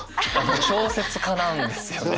小説家なんですよね。